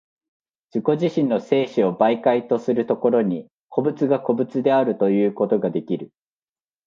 自己自身の生死を媒介とする所に、個物が個物であるということができる。